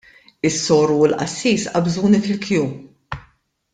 Is-soru u l-qassis qabżuni fil-kju.